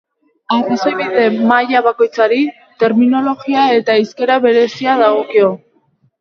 Arrazoibide-maila bakoitzari, terminologia eta hizkera berezia dagokio.